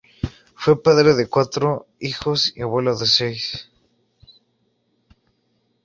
Fue padre de cuatro hijos y abuelo de seis.